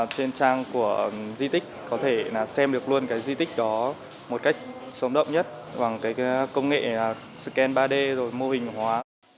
trên trang của di tích có thể xem được luôn cái di tích đó một cách sống động nhất bằng công nghệ scan ba d rồi mô hình hóa